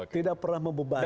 tidak pernah membebani